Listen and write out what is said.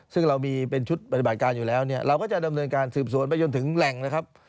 ซึ่งเรามีเป็นชุดปฏิบัติการอยู่แล้วเนี่ยเราก็จะดำเนินการสืบสวนไปจนถึงแหล่งนะครับ